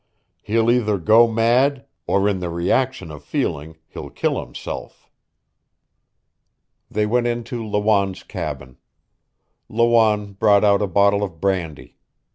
He'll either go mad, or in the reaction of feeling he'll kill himself." They went into Lawanne's cabin. Lawanne brought out a bottle of brandy.